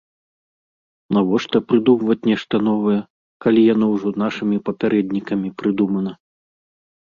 Навошта прыдумваць нешта новае, калі яно ўжо нашымі папярэднікамі прыдумана?